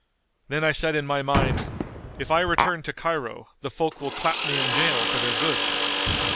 Then I said in my mind:—If I return to Cairo the folk will clap me in jail for their goods.